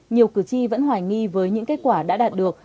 nhiều cử tri vẫn hoài nghi với những kết quả đã đạt được